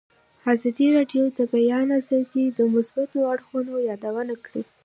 ازادي راډیو د د بیان آزادي د مثبتو اړخونو یادونه کړې.